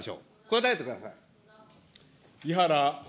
答えてください。